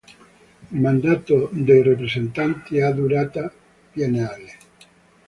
Il mandato dei rappresentanti ha durata biennale.